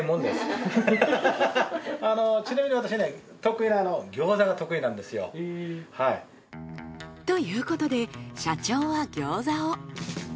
あのちなみに私ね得意なの餃子が得意なんですよ。ということで社長は餃子を。